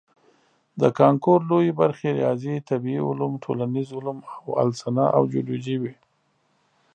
د کانکور لویې برخې ریاضي، طبیعي علوم، ټولنیز علوم او السنه او جیولوجي وي.